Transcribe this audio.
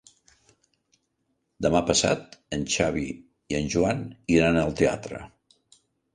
Demà passat en Xavi i en Joan iran al teatre.